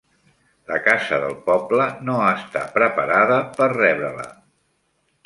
La casa del poble no està preparada per rebre-la.